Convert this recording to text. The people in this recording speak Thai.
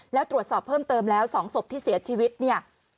แล้วตรวจสอบเพิ่มเติมแล้ว๒ศพที่เสียชีวิตเนี่ย